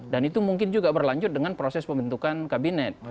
dan itu mungkin juga berlanjut dengan proses pembentukan kabinet